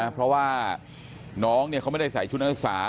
เพราะว่าน้องเขาไม่ได้ใส่ชุดนักศึกษา